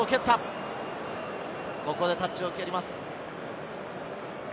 ここでタッチを蹴ります。